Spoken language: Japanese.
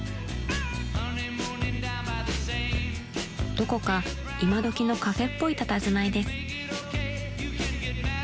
［どこか今どきのカフェっぽいたたずまいです］